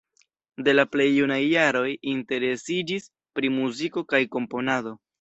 De la plej junaj jaroj interesiĝis pri muziko kaj komponado.